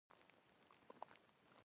موږ د دې ځای له ژوند سره ځانونه بلد کړل